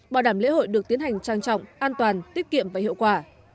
bảo đảm lễ hội được tiến hành trang trọng an toàn tiết kiệm và hiệu quả